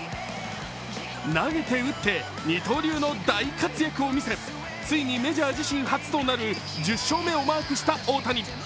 投げて打って二刀流の大活躍を見せついにメジャー自身初となる１０勝目をマークした大谷。